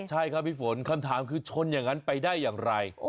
ใช่ครับพี่ฝนคำถามคือชนอย่างนั้นไปได้อย่างไร